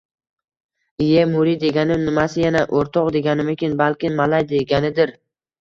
Iye, “murid” degani nimasi yana? “O‘rtoq” deganimikin? Balki, “malay” deganidir?